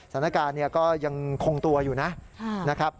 สถานการณ์ก็ยังคงตัวอยู่นะครับ